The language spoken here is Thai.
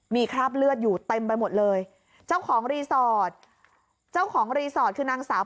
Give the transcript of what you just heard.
มีคราบเลือดอยู่เต็มไปหมดเลยเจ้าของรีสอร์ทเจ้าของรีสอร์ทคือนางสาว